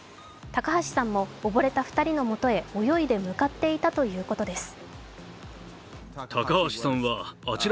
高橋さんも溺れた２人のもとへ泳いで向かっていたということです。